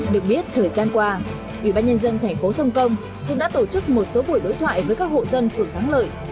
được biết thời gian qua ubnd tp sông công cũng đã tổ chức một số buổi đối thoại với các hộ dân thượng thắng lợi